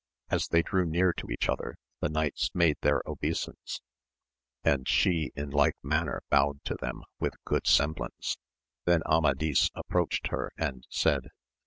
As they drew near to each other the knights made their obeisance, and she in like manner bowed to them with good semblance ; then Amadis approached her and said.